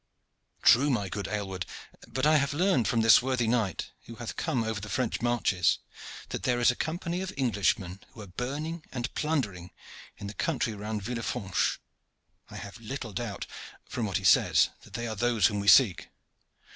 "True, my good Aylward; but I have learned from this worthy knight, who hath come over the French marches, that there is a company of Englishmen who are burning and plundering in the country round Villefranche. I have little doubt, from what he says, that they are those whom we seek."